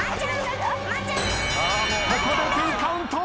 ここで１０カウント。